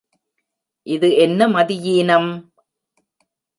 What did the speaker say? இது என்ன மதியீனம்!